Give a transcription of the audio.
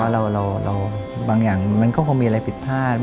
บางอย่างมันก็คงมีอะไรผิดพลาด